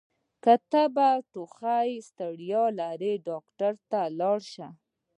که تبه، ټوخۍ او ستړیا لرئ ډاکټر ته لاړ شئ!